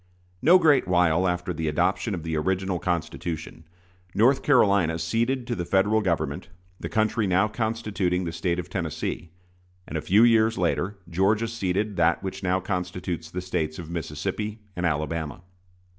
No great while after the adoption of the original Constitution, North Carolina ceded to the Federal Government the country now constituting the State of Tennessee; and a few years later Georgia ceded that which now constitutes the States of Mississippi and Alabama.